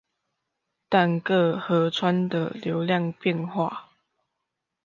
但各河川的流量變化